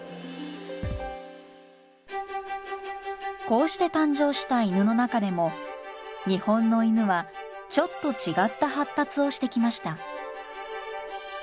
こうして誕生した犬の中でも日本の犬はちょっと違った発達をしてきました。